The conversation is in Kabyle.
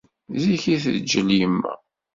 Zik i teǧǧel yemma.